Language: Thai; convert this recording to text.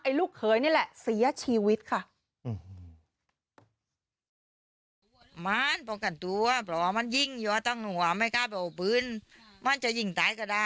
ลูกเขยนี่แหละเสียชีวิตค่ะ